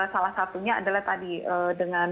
salah satunya adalah tadi dengan